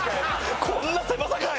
こんな狭さかい！